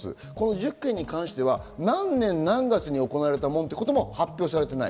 １０件に関しては何年何月に行われたものとも発表されていない。